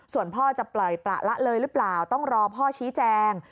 ส่วนพ่อจะปล่อยประละเลยหรือเปล่าต้องรอพ่อชี้แจง